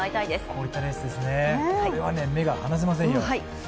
こういったレースですねこれは目が離せませんよ。